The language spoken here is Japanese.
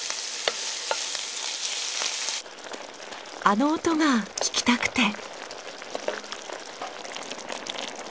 あの音が聞きたくて。